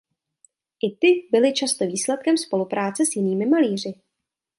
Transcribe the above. I ty byly často výsledkem spolupráce s jinými malíři.